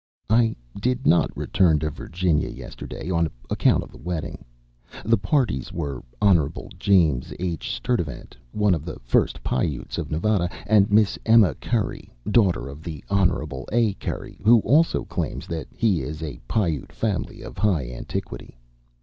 I did not return to Virginia yesterday, on account of the wedding. The parties were Hon. James H. Sturtevant, one of the first Pi Utes of Nevada, and Miss Emma Curry, daughter of the Hon. A. Curry, who also claims that his is a Pi Ute family of high antiquity....